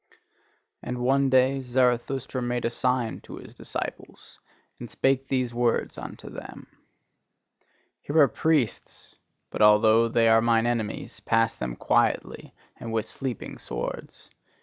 And one day Zarathustra made a sign to his disciples, and spake these words unto them: "Here are priests: but although they are mine enemies, pass them quietly and with sleeping swords!